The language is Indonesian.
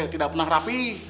tidak pernah rapi